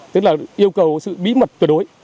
tức là yêu cầu sự bí mật tuyệt đối